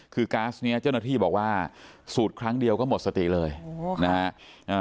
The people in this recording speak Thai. คือก๊าซเนี้ยเจ้าหน้าที่บอกว่าสูดครั้งเดียวก็หมดสติเลยโอ้โหนะฮะ